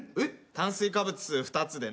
炭水化物２つでね